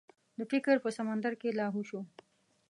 د فکر په سمندر کې لاهو شو.